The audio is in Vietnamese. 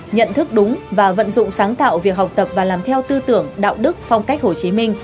nhận thức đúng và vận dụng sáng tạo việc học tập và làm theo tư tưởng đạo đức phong cách hồ chí minh